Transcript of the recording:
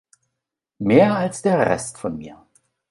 Mehr als der Rest von mir.